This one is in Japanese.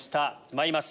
まいります